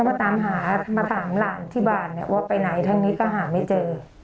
มาตามหามาถามหลานที่บ้านเนี่ยว่าไปไหนทางนี้ก็หาไม่เจอ